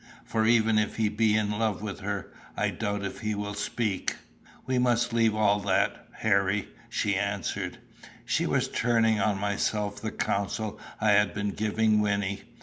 For even if he be in love with her, I doubt if he will speak." "We must leave all that, Harry," she answered. She was turning on myself the counsel I had been giving Wynnie.